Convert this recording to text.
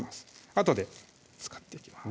あとで使っていきます